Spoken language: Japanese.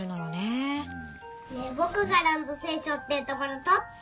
ねえぼくがランドセルしょってるところとって。